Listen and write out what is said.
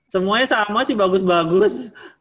semuanya sama sih bagus bagus